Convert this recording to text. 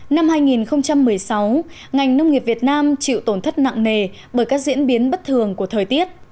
năm hai nghìn một mươi sáu ngành nông nghiệp việt nam chịu tổn thất nặng nề bởi các diễn biến bất thường của thời tiết